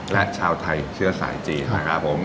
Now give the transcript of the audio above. และชาวไทยเชื้อสายจีนนะครับผม